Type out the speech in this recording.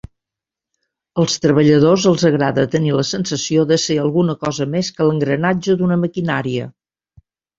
Als treballadors els agrada tenir la sensació de ser alguna cosa més que l'engranatge d'una maquinaria.